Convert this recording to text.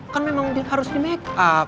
kan memang harus di make up